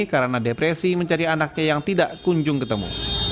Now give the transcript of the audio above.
karena depresi mencari anaknya yang tidak kunjung ketemu